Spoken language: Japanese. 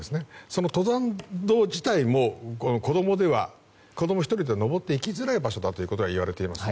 その登山道自体も、子供１人では登っていきづらい場所だといわれています。